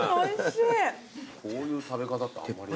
こういう食べ方ってあんまり。